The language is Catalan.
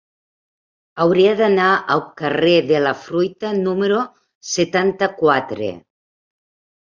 Hauria d'anar al carrer de la Fruita número setanta-quatre.